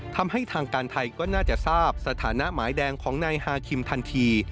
ทำให้ทางการไทยก็น่าจะทราบสถานะหมายแดงของนายฮาคิมทันที